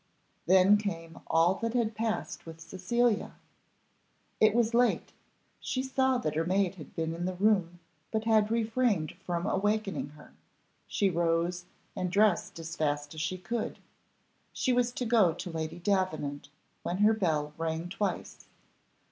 Then came all that had passed with Cecilia. It was late, she saw that her maid had been in the room, but had refrained from awakening her; she rose, and dressed as fast as she could. She was to go to Lady Davenant, when her bell rang twice.